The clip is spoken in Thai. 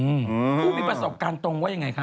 อืมผู้มีประสบการณ์ตรงว่าอย่างไรคะ